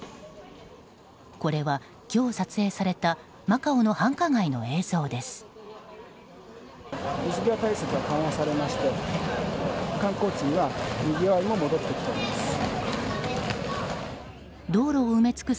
これは今日撮影されたマカオの繁華街の映像です。